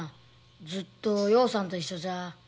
ずっと陽さんと一緒じゃ。